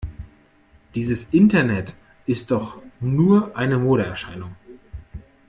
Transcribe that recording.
Dieses Internet ist doch nur eine Modeerscheinung!